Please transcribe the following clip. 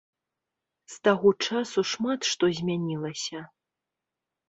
З таго часу шмат што змянілася.